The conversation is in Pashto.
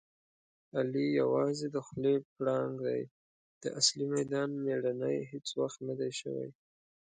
علي یووازې د خولې پړانګ دی. د اصلي میدان مېړنی هېڅ وخت ندی شوی.